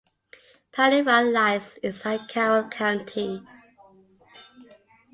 Piney Run lies inside Carroll County.